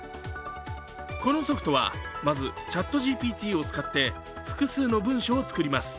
このソフトは、まずＣｈａｔＧＰＴを使って複数の文書を作ります。